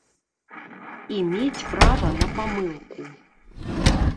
І мець права на памылку.